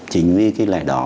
chính vì cái lẽ đó